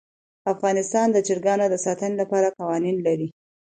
افغانستان د چرګان د ساتنې لپاره قوانین لري.